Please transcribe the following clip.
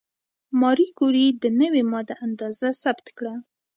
ماري کوري د نوې ماده اندازه ثبت کړه.